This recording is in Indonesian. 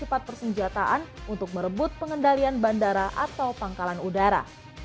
tempat persenjataan untuk merebut pengendalian bandara atau pangkalan udara